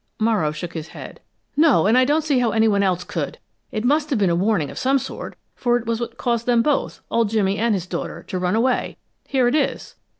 Morrow shook his head. "No, and I don't see how anyone else could! It must have been a warning of some sort, for it was what caused them both, old Jimmy and his daughter, to run away. Here it is."